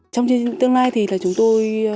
trong tương lai thì là chúng tôi